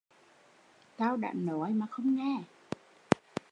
Tau đã nói mà không nghe